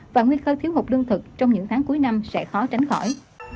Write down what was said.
và nguy cơ thiếu hụt lương thực trong những tháng cuối năm sẽ khó tránh khỏi